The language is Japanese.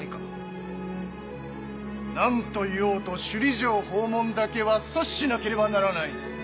何と言おうと首里城訪問だけは阻止しなければならない！